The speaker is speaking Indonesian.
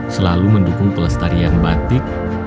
selalu mendukung pelestarian batik